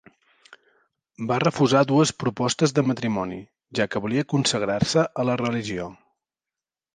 Va refusar dues propostes de matrimoni, ja que volia consagrar-se a la religió.